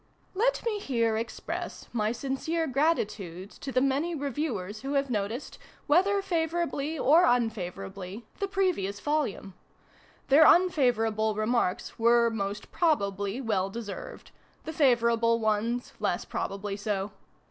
Let me here express my sincere gratitude to the many Reviewers who have noticed, whether favorably or unfavorably, the previous Volume. Their unfavor able remarks were, most probably, well deserved ; the favorable ones less probably so.